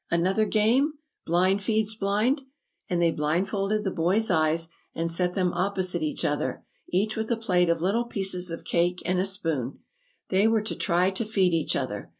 another game! 'Blind feeds Blind!'" And they blindfolded the boys' eyes, and sat them opposite each other, each with a plate of little pieces of cake, and a spoon. They were to try to feed each other.